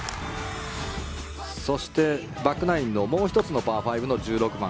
そしてバックナインのもう１つのパー４の１６番。